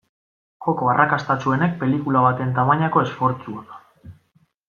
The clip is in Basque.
Joko arrakastatsuenek pelikula baten tamainako esfortzua.